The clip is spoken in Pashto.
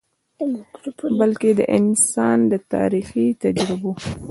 بلکه د انسان د تاریخي تجربو ،